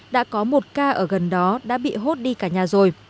đã có một ca ở gần đó đã bị hốt đi cả nhà rồi